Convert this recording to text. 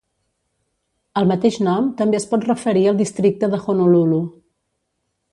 El mateix nom també es pot referir al districte de Honolulu.